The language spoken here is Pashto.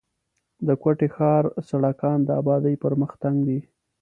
د کوټي ښار سړکان د آبادۍ پر مخ تنګ دي.